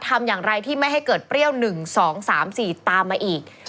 ทำอย่างไรที่ไม่ให้เกิดเปรี้ยว๑๒๓๔ตามมาอีก